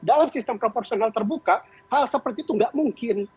dalam sistem proporsional terbuka hal seperti itu nggak mungkin